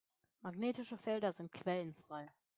Magnetische Felder sind quellenfrei.